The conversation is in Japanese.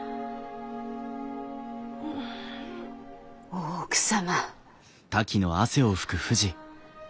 大奥様。